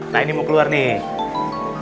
nah ini mau keluar nih